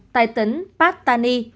tại tỉnh patani